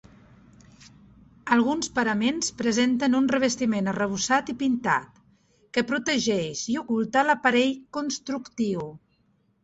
Alguns paraments presenten un revestiment arrebossat i pintat, que protegeix i oculta l'aparell constructiu.